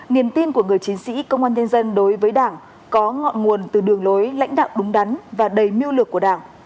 niềm tin của người chiến sĩ công an nhân dân đối với đảng có ngọn nguồn từ đường lối lãnh đạo đúng đắn và đầy mưu lược của đảng